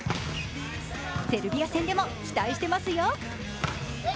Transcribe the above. セルビア戦でも期待してますよ。